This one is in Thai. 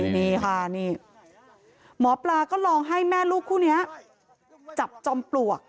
นี่ค่ะนี่หมอปลาก็ลองให้แม่ลูกคู่นี้จับจอมปลวก